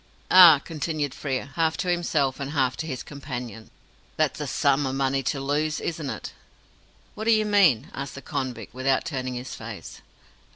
"Ah!" continued Frere, half to himself, and half to his companion, "that's a sum of money to lose, isn't it?" "What do you mean?" asked the convict, without turning his face.